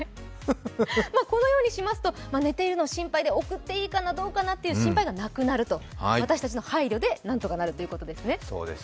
このようにしますと寝ているのか心配で送っていいのか分からないということがなくなると、私たちの配慮で何とかなるということですね。